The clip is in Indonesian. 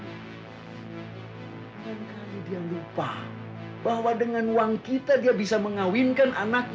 bukankah dia lupa bahwa dengan uang kita dia bisa mengawinkan anaknya